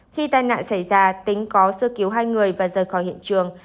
khi tai nạn xảy ra tính có sơ cứu hai người và rời khỏi hiện trường